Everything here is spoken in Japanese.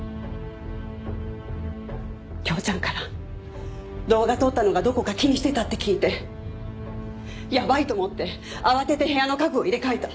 匡ちゃんから動画撮ったのがどこか気にしてたって聞いてやばいと思って慌てて部屋の家具を入れ替えた。